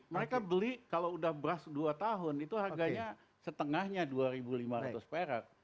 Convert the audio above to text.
mereka beli kalau udah beras dua tahun itu harganya setengahnya dua lima ratus perak